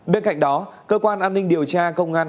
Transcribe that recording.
bên cạnh đó cơ quan an ninh điều tra công an